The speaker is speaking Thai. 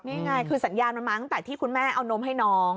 นี่ไงคือสัญญาณมันมาตั้งแต่ที่คุณแม่เอานมให้น้อง